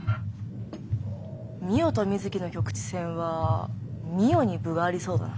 みよと水木の局地戦はみよに分がありそうだな。